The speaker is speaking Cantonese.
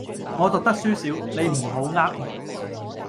我讀得書少，你唔好呃我